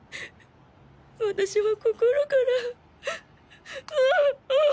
私は心からウッ！